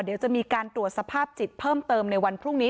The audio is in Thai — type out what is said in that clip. เดี๋ยวจะมีการตรวจสภาพจิตเพิ่มเติมในวันพรุ่งนี้